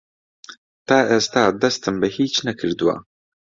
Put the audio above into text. تا ئێستا دەستم بە هیچ نەکردووە.